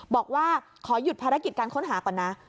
บอกว่าขอหยุดภารกิจการค้นหาก่อนนะ